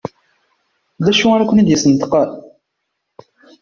D acu ara ken-id-yesneṭqen?